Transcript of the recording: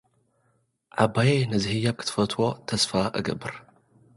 ዓባየይ፡ ነዚ ህያብ ክትፈትዎ ተስፋ እገብር።